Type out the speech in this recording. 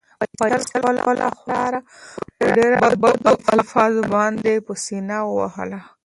فیصل خپله خور په ډېرو بدو الفاظو باندې په سېنه ووهله.